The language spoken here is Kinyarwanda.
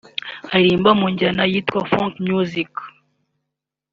Aririmba mu njyana yitwa ‘folk music’